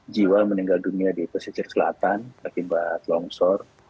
enam belas jiwa meninggal dunia di pasisir selatan akibat longsor